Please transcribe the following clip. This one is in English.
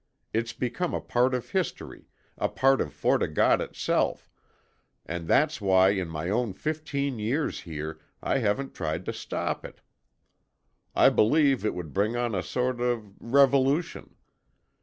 It's become a part of history, a part of Fort O' God itself, and that's why in my own fifteen years here I haven't tried to stop it. I believe it would bring on a sort of revolution.